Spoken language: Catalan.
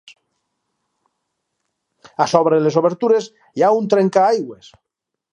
A sobre les obertures hi ha un trencaaigües.